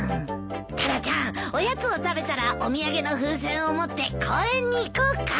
タラちゃんおやつを食べたらお土産の風船を持って公園に行こうか。